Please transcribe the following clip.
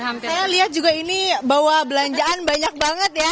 saya lihat juga ini bawa belanjaan banyak banget ya